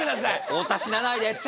太田死なないでって。